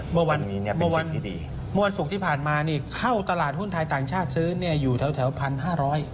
เมื่อวันสุขที่ผ่านมาเนี่ยเข้าตลาดหุ้นไทยต่างชาติซื้อเนี่ยอยู่แถว๑๕๐๐กว่าล้านบาท